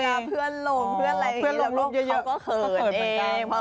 เวลาเพื่อนลงเพื่อนอะไรแบบนี้เขาก็เขินเอง